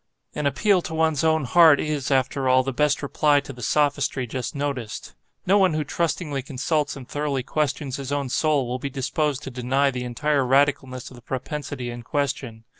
An appeal to one's own heart is, after all, the best reply to the sophistry just noticed. No one who trustingly consults and thoroughly questions his own soul, will be disposed to deny the entire radicalness of the propensity in question.